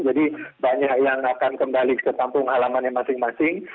jadi banyak yang akan kembali ke kampung alamannya masing masing